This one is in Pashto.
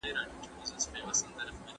حساب کتاب مې د بریا تر ټولو مهمه وسیله ده.